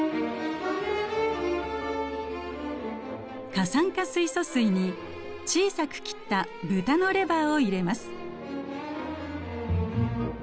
過酸化水素水に小さく切ったブタのレバーを入れます。